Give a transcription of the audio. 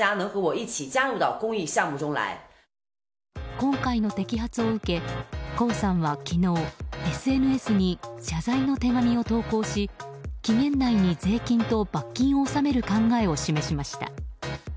今回の摘発を受けコウさんは、昨日ＳＮＳに謝罪の手紙を投稿し期限内に税金と罰金を納める考えを示しました。